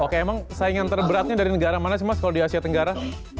oke emang saingan terberatnya dari negara mana sih mas kalau di asia tenggara